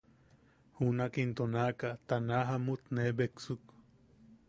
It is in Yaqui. Junak into naʼaka, ta naaʼa jamut nee beksuk.